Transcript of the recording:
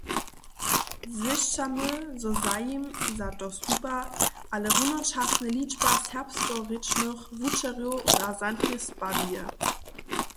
Zwěsćamy, zo zajim za to stupa, ale runočasnje ličba serbskorěčnych wučerjow razantnje spaduje.